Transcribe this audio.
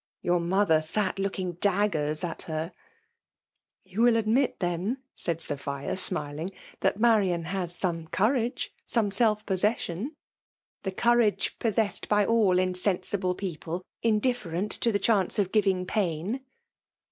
Your mother sat looking daggers at her." *' You will admit then/' said Sophia smiling^ that Marian has some courage, — some self possession ?"*^ The courage possessed by all insensibla people,i indifferent to the chance of giving pain."